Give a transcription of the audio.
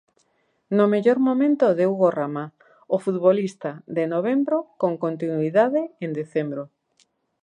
No mellor momento de Hugo Rama, o futbolista de novembro con continuidade en decembro.